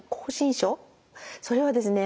症それはですね